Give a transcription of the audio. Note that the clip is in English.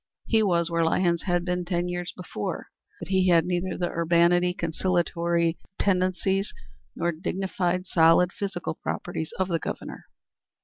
He was where Lyons had been ten years before, but he had neither the urbanity, conciliatory tendencies, nor dignified, solid physical properties of the Governor.